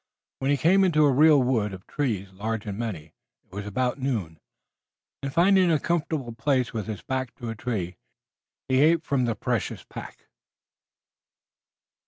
When he came into a real wood, of trees large and many, it was about noon, and finding a comfortable place with his back to a tree he ate from the precious pack.